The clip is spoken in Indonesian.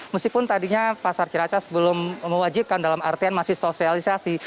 meskipun tadinya pasar ciracas belum mewajibkan dalam artian masih sosialisasi